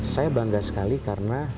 saya bangga sekali karena